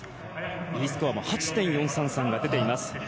Ｅスコアも８．４３３が出ています。